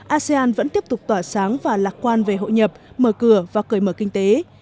asean vẫn tiếp tục tỏa sáng và lạc quan về hội nhập mở cửa và cởi mở kinh tế